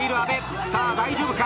さあ大丈夫か？